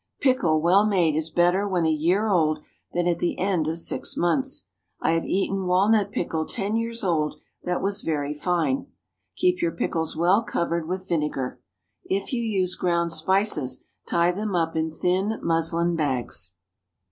Pickle, well made, is better when a year old than at the end of six months. I have eaten walnut pickle ten years old that was very fine. Keep your pickles well covered with vinegar. If you use ground spices, tie them up in thin muslin bags.